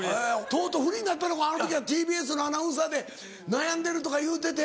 とうとうフリーになったのかあの時はＴＢＳのアナウンサーで悩んでるとか言うてて。